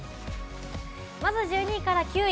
１２位から９位。